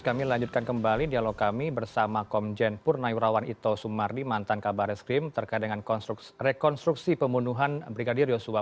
kami lanjutkan kembali dialog kami bersama komjen purna yurawan ito sumardi mantan kabar eskrim terkait dengan rekonstruksi pembunuhan brigadir yosua